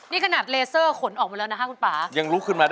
นี่ขนาดเลเซอร์ขนออกมาแล้วนะค่ะคุณป่า